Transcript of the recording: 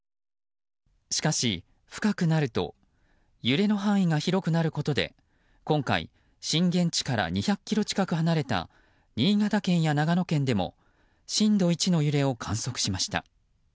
しかし、深くなると揺れの範囲が広くなることで今回、震源地から２００ｋｍ近く離れた新潟県や長野県でも震度１の揺れを観測しました。